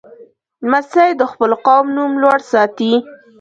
لمسی د خپل قوم نوم لوړ ساتي.